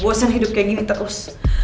saya udah buasan hidup kaya gini terus